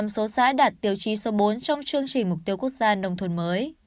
chín mươi bốn năm số xã đạt tiêu chí số bốn trong chương trình mục tiêu quốc gia nông thôn mới